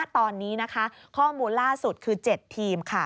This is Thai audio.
ตอนนี้ข้อมูลล่าสุดคือ๗ทีมค่ะ